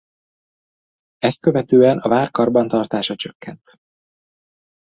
Ezt követően a vár karbantartása csökkent.